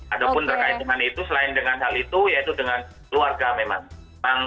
ada pun terkait dengan itu selain dengan hal itu yaitu dengan keluarga memang